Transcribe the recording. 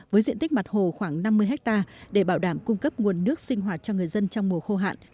với diện tích mặt hồ khoảng năm mươi hectare để bảo đảm cung cấp nguồn nước sinh hoạt cho người dân trong mùa khô hạn